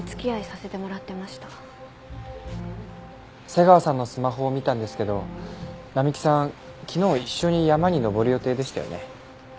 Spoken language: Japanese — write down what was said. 瀬川さんのスマホを見たんですけど並木さん昨日一緒に山に登る予定でしたよね？